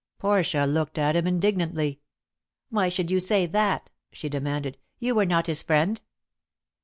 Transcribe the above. Portia looked at him indignantly. "Why should you say that?" she demanded; "you were not his friend."